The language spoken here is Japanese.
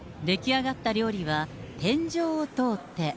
出来上がった料理は、天井を通って。